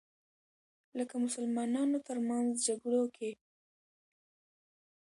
لکه مسلمانانو تر منځ جګړو کې